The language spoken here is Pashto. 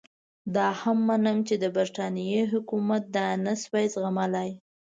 دا هم منم چې د برټانیې حکومت دا نه شوای زغملای.